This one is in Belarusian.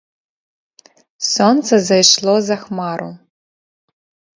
Сонца зайшло за хмару.